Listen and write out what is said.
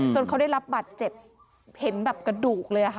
เขาได้รับบัตรเจ็บเห็นแบบกระดูกเลยค่ะ